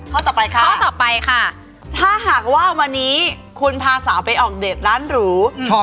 ต่อไปค่ะข้อต่อไปค่ะถ้าหากว่าวันนี้คุณพาสาวไปออกเด็ดร้านหรู